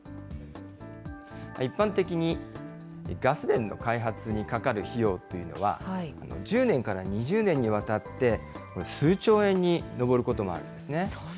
一般的にガス田の開発にかかる費用というのは、１０年から２０年にわたって数兆円に上ることもあるんですね。